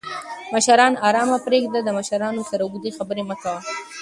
مشران آرام پریږده! د مشرانو سره اوږدې خبرې مه کوه